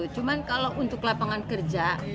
cuma kalau untuk lapangan kerja